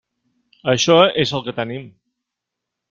Això és el que tenim.